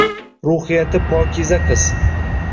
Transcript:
Ruhiyati pokiza qiz